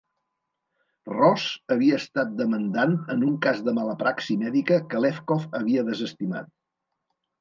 Ross havia estat demandant en un cas de mala praxi mèdica que Lefkow havia desestimat.